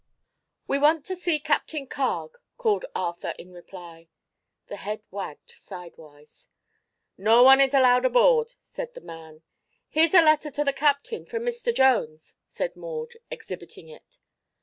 "We want to see Captain Carg," called Arthur, in reply. The head wagged sidewise. "No one allowed aboard," said the man. "Here's a letter to the captain, from Mr. Jones," said Maud, exhibiting it.